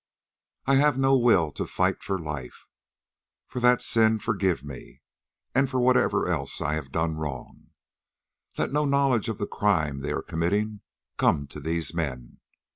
"I have no will to fight for life. For that sin, forgive me, and for whatever else I have done wrong. Let no knowledge of the crime they are committing come to these men.